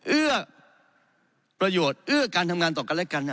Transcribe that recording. เอื้อประโยชน์เอื้อการทำงานต่อกันและกัน